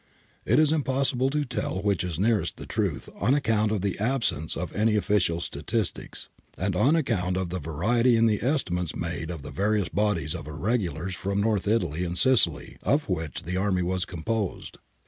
It is impossible to tell which is nearest the truth, on account of the absence of any ofificial statistics, and on ac count of variety in the estimates made of the various bodies of irregulars from North Italy and Sicily of which the army was composed.